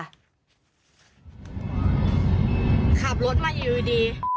ขับรถมาอยู่ดี